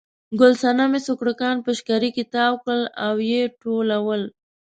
ګل صنمې سوکړکان په شکري کې تاو کړل او یې ټولول.